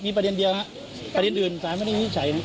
มีประเด็นเดียวครับประเด็นอื่นสารไม่ได้วิจัยนะครับ